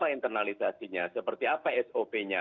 internalisasinya seperti apa sop nya